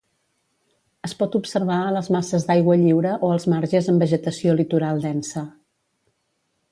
Es pot observar a les masses d'aigua lliure o als marges amb vegetació litoral densa.